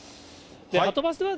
はとバスは、